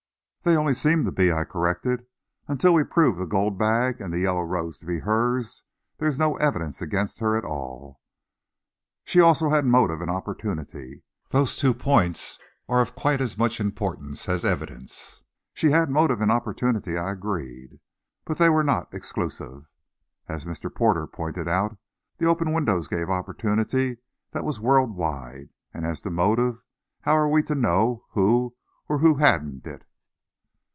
"They only seem to be," I corrected. "Until we prove the gold bag and the yellow rose to be hers; there is no evidence against her at all." "She also had motive and opportunity. Those two points are of quite as much importance as evidence." "She had motive and opportunity," I agreed, "but they were not exclusive. As Mr. Porter pointed out, the open windows gave opportunity that was world wide; and as to motive, how are we to know who had or who hadn't it."